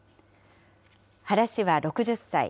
原氏は６０歳。